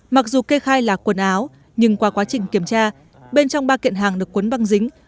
mặc dù kê khai là quần áo nhưng qua quá trình kiểm tra bên trong ba kiện hàng được cuốn băng dính